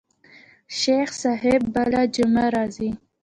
شيخ صاحب بله جمعه راځي.